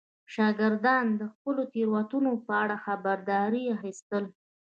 شاګردان د خپلو تېروتنو په اړه خبرداری اخیستل.